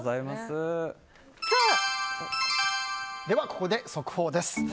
ここで速報です。